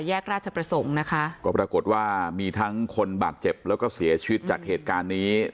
แยกราชประสงค์นะคะก็ปรากฏว่ามีทั้งคนบาดเจ็บแล้วก็เสียชีวิตจากเหตุการณ์นี้